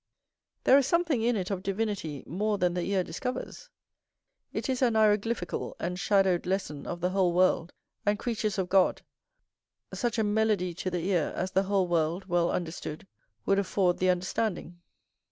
There is something in it of divinity more than the ear discovers: it is an hieroglyphical and shadowed lesson of the whole world, and creatures of God, such a melody to the ear, as the whole world, well understood, would afford the understanding.